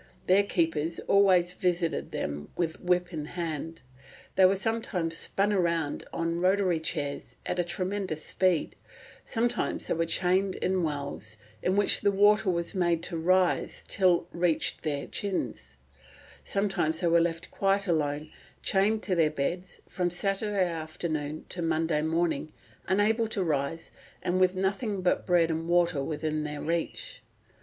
Their keepers always visited them whip in hand. They were sometimes spun round on rotatory chairs at a tremendous speed; sometimes they were chained in wells, in which the water was made to rise till it reached their chins; sometimes they were left quite alone, chained to their beds, from Saturday afternoon to Monday morning, unable to rise, and with nothing but bread and water within their reach.